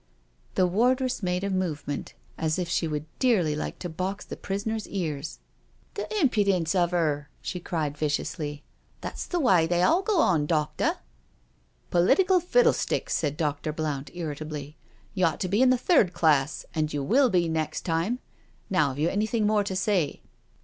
'* The wardress made a movement as if she would dearly like to box the prisoner's ears. "The impudence of 'eri" she cried viciously. " That's the way they all go on, doctor." "Political fiddlesticks/' said Dr. Blount irritably. " You ought to be in the third class, and you will be next time. Now, have you anything more to say?"